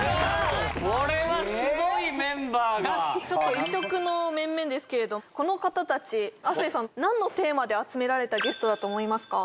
ちょっと異色の面々ですけれどこの方たち亜生さん何のテーマで集められたゲストだと思いますか？